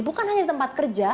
bukan hanya tempat kerja